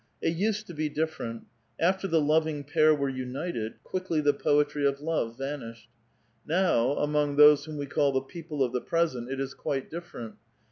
It used to be different. After the loving pair were united, quickly the poetrj' of love vanished. Now, among those whom we call the people of the present, it is quite different.